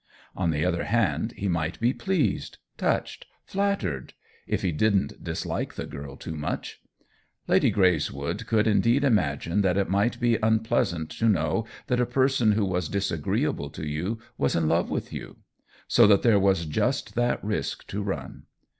On the other hand he might be pleased, touched, flattered — if he didn't dislike the girl too much. Lady Greyswood could indeed imagine that it might be unpleasant to know that a person who was disagreeable to you was in love with you ; so that there was just that risk to run.